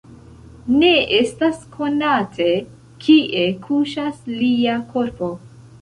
Ne estas konate, kie kuŝas lia korpo.